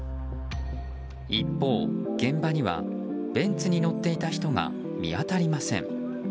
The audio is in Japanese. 一方、現場にはベンツに乗っていた人が見当たりません。